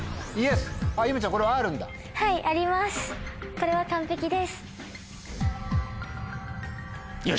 これは完璧です。